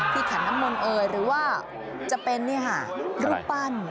ขันน้ำมนต์เอ่ยหรือว่าจะเป็นรูปปั้น